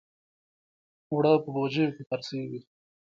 اوړه په بوجیو کې خرڅېږي